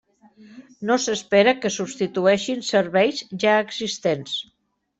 No s'espera que substitueixin serveis ja existents.